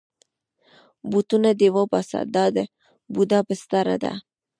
بوټونه دې وباسه، دا د بوډا بستره ده.